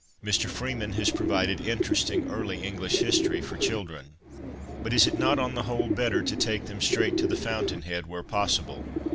Mr Freeman has provided interesting early English history for children ; but is it not on the whole better to take them straight to the fountain head, where possible